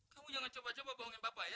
kamu jangan coba coba bohongin bapak ya